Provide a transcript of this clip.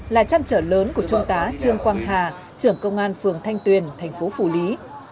là trăn trở lớn của trung tá trương quang hà trưởng công an phường thanh tuyền thành phố phủ lý